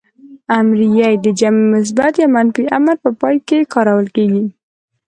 امریه ئ د جمع مثبت يا منفي امر په پای کې کارول کیږي.